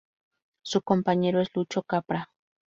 Su compañero es Lucho Capra.